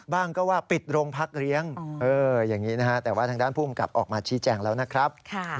บ้างก็ว่าปิดโรงพักเลี้ยงอย่างนี้นะฮะแต่ว่าทางด้านผู้กำกับออกมาชี้แจงแล้วนะครับ